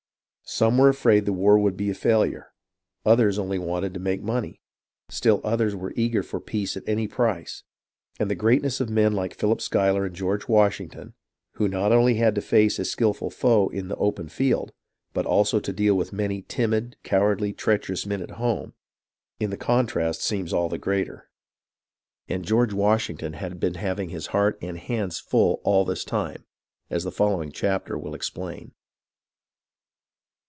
Some were afraid the war would be a fail ure, others only wanted to make money, still others were eager for peace at any price ; and the greatness of men like Philip Schuyler and George Washington, who not only had to face a skilful foe in the open field, but also to deal with many timid, cowardly, treacherous men at home, in the contrast seems all the greater. And George Wash ington had been having his heart and hands full all this time, as the following chapter will explain.